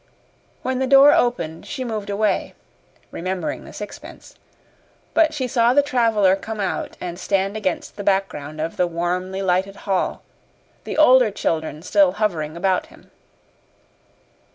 When the door opened she moved away remembering the sixpence but she saw the traveler come out and stand against the background of the warmly lighted hall, the older children still hovering about him.